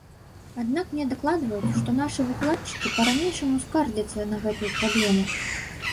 Аднак мне дакладваюць, што нашы выкладчыкі па-ранейшаму скардзяцца на гэтую праблему.